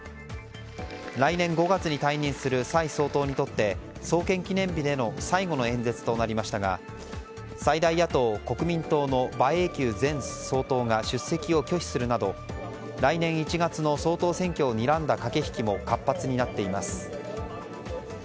来年５月に退任する蔡総統にとって創建記念日での最後の演説となりましたが最大野党・国民党の馬英九前総統が出席を拒否するなど来年１月の総統選挙をにらんだ駆け引きも活発になっています。